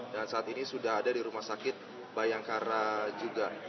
dan saat ini sudah ada di rumah sakit bayangkara juga